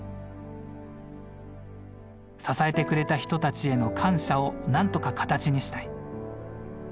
支えてくれた人たちへの感謝を何とか形にしたい。